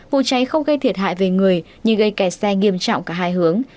vụ cháy không gây thiệt hại về người nhưng gây kẹt xe nghiêm trọng cả hai hướng